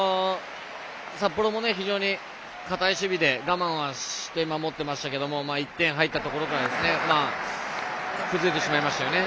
札幌も非常に堅い守備で我慢して守っていましたが１点入ったところから崩れてしまいましたよね。